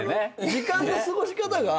時間の過ごし方が。